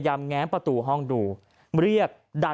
จนกระทั่งบ่าย๓โมงก็ไม่เห็นออกมา